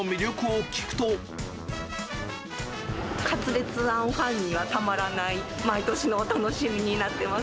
勝烈庵ファンにはたまらない、毎年の楽しみになっています。